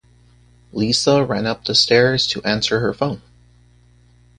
Lisa ran up the stairs to answer her phone.